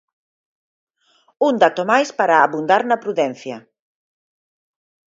Un dato máis para abundar na prudencia.